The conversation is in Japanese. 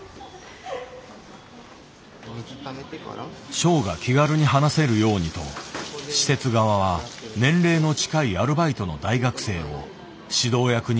ショウが気軽に話せるようにと施設側は年齢の近いアルバイトの大学生を指導役にしてくれていた。